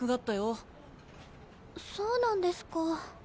そうなんですか。